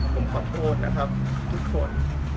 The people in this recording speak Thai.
ผมขอโทษนะครับทุกคน